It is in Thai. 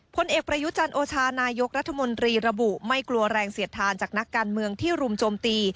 พลเอกประยุจันทร์โอชานายกรัฐมนตรีระบุไม่กลัวแรงเสียดทานจากนักการเมืองที่รุมโจมตี